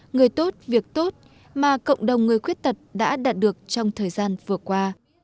người tốt việc tốt mà cộng đồng người khuyết tật đã đạt được trong thời gian vừa qua